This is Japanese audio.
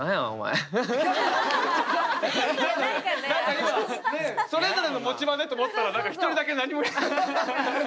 今ねえそれぞれの持ち場でと思ったら１人だけ何もない。